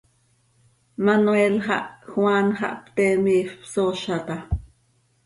Manuel xah, Juan xah, pte miifp, sooza taa.